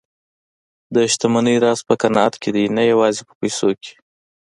د شتمنۍ راز په قناعت کې دی، نه یوازې په پیسو کې.